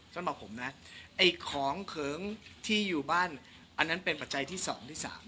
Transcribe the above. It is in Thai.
สำหรับผมนะไอ้ของเขิงที่อยู่บ้านอันนั้นเป็นปัจจัยที่๒ที่๓